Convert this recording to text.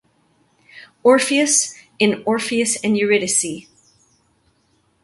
Orpheus in Orpheus and Eurydice.